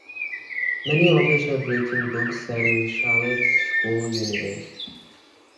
Many authors have written books set in the Chalet School universe.